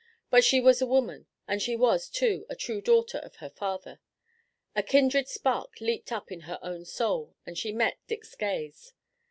But she was a woman. And she was, too, a true daughter of her father. A kindred spark leaped up in her own soul, and she met Dick's gaze.